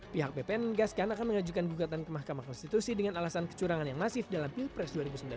pihak bpn mengajukan bukatan kemahkamah konstitusi dengan alasan kecurangan yang masif dalam pilpres dua ribu sembilan belas